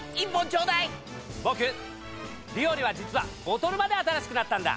ボクビオレは実はボトルまで新しくなったんだ！